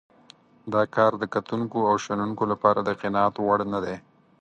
دا کار د کتونکو او شنونکو لپاره د قناعت وړ نه دی.